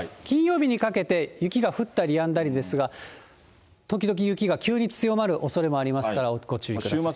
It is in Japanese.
金曜日にかけて雪が降ったりやんだりですが、時々、雪が急に強まるおそれもありますから、ご注意ください。